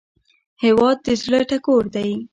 هیواد د زړه ټکور دی